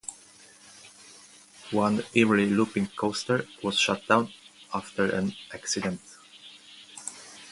One early looping coaster was shut down after an accident.